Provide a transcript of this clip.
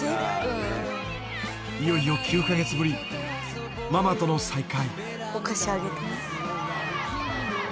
いよいよ９か月ぶりママとの再会